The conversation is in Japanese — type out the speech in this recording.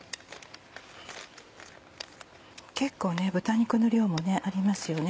結構豚肉の量もありますよね。